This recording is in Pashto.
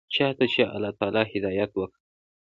چا ته چې الله تعالى هدايت وکا.